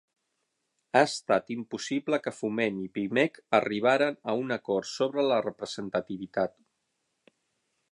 Ha estat impossible que Foment i Pimec arribaren a un acord sobre la representativitat